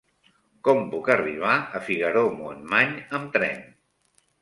Com puc arribar a Figaró-Montmany amb tren?